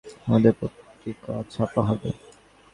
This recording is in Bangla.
পত্রিকায় কিংবা ক্লাবে ক্লাবে আমাদের ছবি ছাপা হবে।